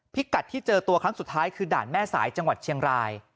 กัดที่เจอตัวครั้งสุดท้ายคือด่านแม่สายจังหวัดเชียงราย